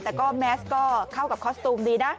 แต่ก็แมสก็เข้ากับคอสตูมดีนะ